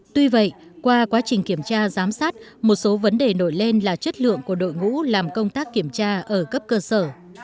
tuy vậy qua quá trình kiểm tra giám sát một số vấn đề nổi lên là chất lượng của đội ngũ làm công tác kiểm tra ở cấp cơ sở